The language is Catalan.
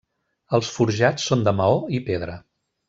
Els forjats són de maó i pedra.